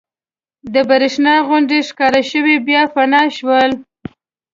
د برېښنا غوندې ښکاره شول بیا فنا شول.